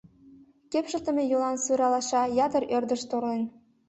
Кепшылтыме йолан сур алаша ятыр ӧрдыш торлен.